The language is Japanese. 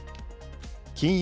金融